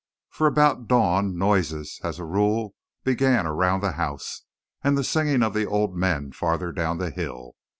For about dawn noises as a rule began around the house and the singing of the old men farther down the hill.